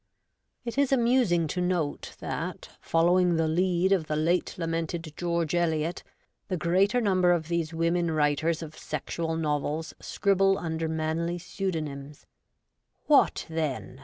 It is amusing to note that, following the lead of the late lamented George Eliot, the greater number of these women writers of sexual novels scribble under manly pseudonyms. What, then